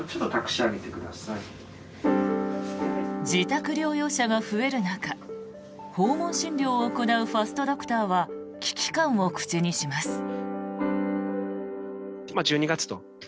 自宅療養者が増える中訪問診療を行うファストドクターは危機感を口にします。